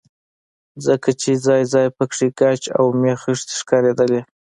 ځکه چې ځاى ځاى پکښې ګچ او اومې خښتې ښکارېدلې.